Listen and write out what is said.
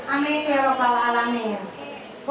amin ya bapak ibu